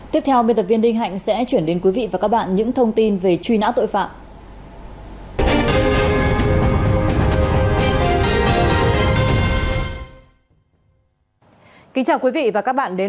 tiếp theo biên tập viên đinh hạnh sẽ chuyển đến quý vị và các bạn những thông tin về truy nã tội phạm